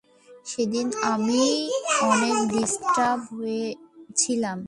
সেদিন আমি অনেক ডিস্টার্বড ছিলাম।